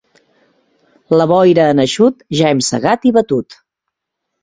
La boira en eixut, ja hem segat i batut.